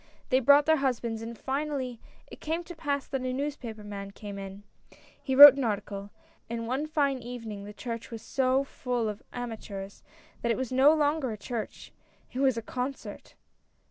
They brought their husbands, and finally it came to pass that a newspaper man came in. He wrote an article ; and one fine evening the church was so full of amateurs that it was no longer a church — it was a concert."